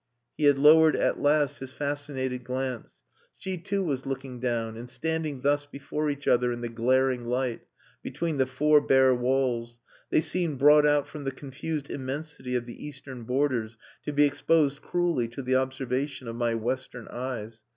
He had lowered at last his fascinated glance; she too was looking down, and standing thus before each other in the glaring light, between the four bare walls, they seemed brought out from the confused immensity of the Eastern borders to be exposed cruelly to the observation of my Western eyes.